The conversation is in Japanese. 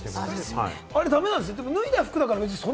あれダメなんですか？